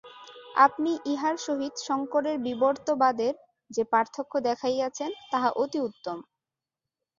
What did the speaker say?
আপনি ইহার সহিত শঙ্করের বিবর্তবাদের যে পার্থক্য দেখাইয়াছেন, তাহা অতি উত্তম।